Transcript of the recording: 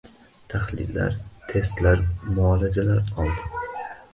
Tahlillar testlar muolajalar oldi.